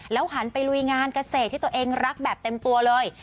หันไปลุยงานเกษตรที่ตัวเองรักแบบเต็มตัวเลย